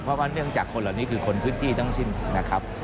เพราะว่าเนื่องจากคนเหล่านี้คือคนพื้นที่ทั้งสิ้นนะครับ